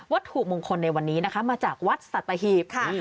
วัตถุมงคลในวันนี้มาจากวัดสัตหีพ